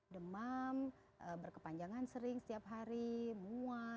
demam berkepanjangan sering setiap hari mual